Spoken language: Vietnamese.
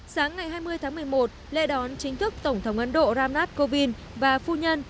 sáng ngày hai mươi tháng một mươi một lễ đón chính thức tổng thống ấn độ ramnath kovind và phu nhân